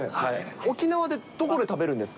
沖縄でどこで食べるんですか？